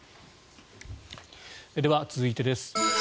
では、続いてです。